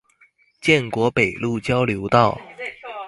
建國北路交流道